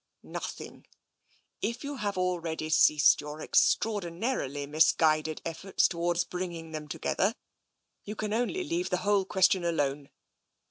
" Nothing. If you have already ceased your ex traordinarily misguided efforts towards bringing them together, you can only leave the whole question alone.